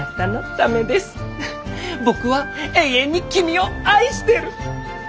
僕は永遠に君を愛してる！